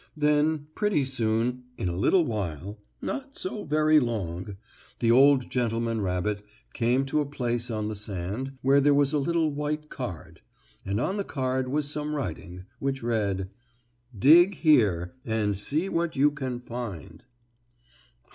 Then, pretty soon, in a little while, not so very long, the old gentleman rabbit came to a place on the sand where there was a little white card. And on the card was some writing, which read: "DIG HERE AND SEE WHAT YOU CAN FIND."